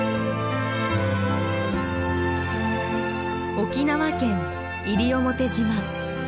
沖縄県西表島。